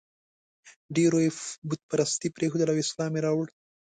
ډېرو یې بت پرستي پرېښودله او اسلام یې راوړ.